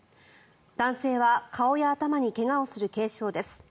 男性は顔や頭に怪我をする軽傷です。